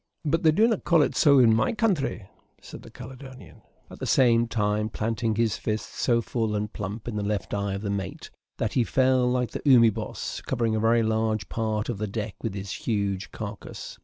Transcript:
'" "But they do not call it so in my country," said the Caledonian, at the same time planting his fist so full and plump in the left eye of the mate, that he fell like the "humi bos," covering a very large part of the deck with his huge carcase.